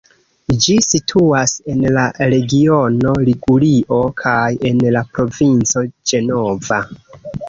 Ĝi situas en la regiono Ligurio kaj en la provinco Ĝenova.